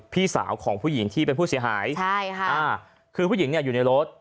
พี่สาวของผู้หญิงที่เป็นผู้เสียหายใช่ค่ะอ่าคือผู้หญิงเนี่ยอยู่ในรถ